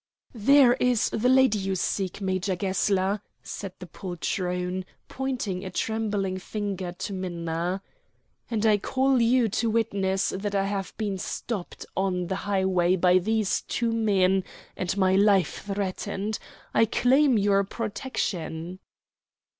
"There is the lady you seek, Major Gessler," said the poltroon, pointing a trembling finger to Minna. "And I call you to witness that I have been stopped on the highway by these two men and my life threatened. I claim your protection."